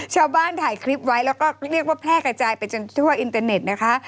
ชาวบ้านถ่ายคลิปไว้แล้วก็เรียกว่าแพร่กระจายไปจนทั่วอินเตอร์เน็ตนะคะ